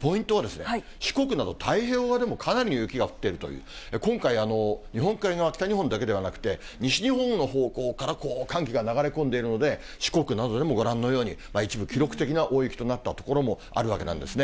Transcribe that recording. ポイントは、四国など太平洋側でもかなり雪が降っているという、今回、日本海側、北日本だけではなくて、西日本の方向から寒気が流れ込んでいるので、四国などでもご覧のように、一部記録的な大雪となった所もあるわけなんですね。